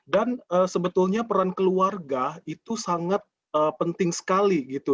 dan sebetulnya peran keluarga itu sangat penting sekali gitu